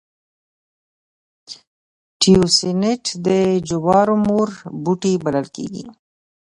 تیوسینټ د جوارو مور بوټی بلل کېږي